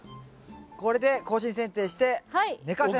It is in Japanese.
これで更新剪定して寝かせます。